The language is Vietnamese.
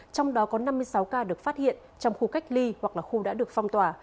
trong đó có năm mươi sáu ca được phát hiện trong khu cách ly hoặc là khu đã được phong tỏa